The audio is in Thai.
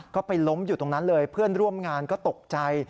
ก็ไปล้มอยู่ตรงนั้นเลยเพื่อนร่วมงานก็ตกใจ